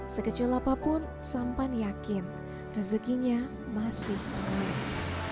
sekecil apapun sampan yakin rezekinya masih tergolong